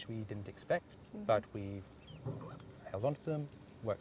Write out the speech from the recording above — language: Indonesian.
melakukan kerjaan dengan mereka